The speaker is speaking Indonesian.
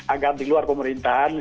agak di luar pemerintahan